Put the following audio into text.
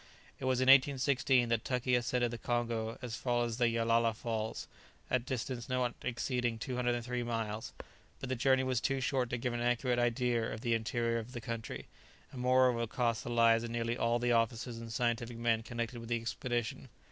It was in 1816 that Tuckey ascended the Congo as far as the Yellala Falls, a distance not exceeding 203 miles; but the journey was too short to give an accurate idea of the interior of the country, and moreover cost the lives of nearly all the officers and scientific men connected with the expedition.